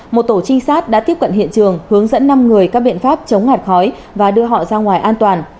một tổ trinh sát đã tiếp cận hiện trường hướng dẫn năm người các biện pháp chống ngạt khói và đưa họ ra ngoài an toàn